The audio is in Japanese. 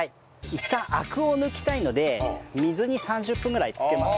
いったんアクを抜きたいので水に３０分ぐらいつけます。